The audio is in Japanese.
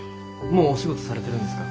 もうお仕事されてるんですか？